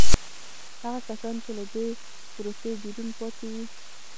هغه کسان چې له دې پروسې بیرون پاتې وو.